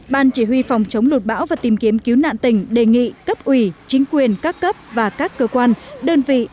ban chỉ huy phòng chống lụt bão và tìm kiếm cứu nạn tỉnh đề nghị cấp ủy chính quyền các cấp và các cơ quan đơn vị